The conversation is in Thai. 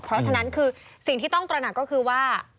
เพราะฉะนั้นคือสิ่งที่ต้องตระหนักก็คือว่า